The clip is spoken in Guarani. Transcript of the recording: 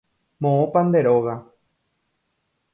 Moõpa nde róga.